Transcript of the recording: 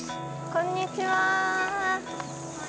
こんにちは。